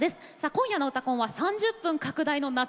今夜の「うたコン」は３０分拡大版の夏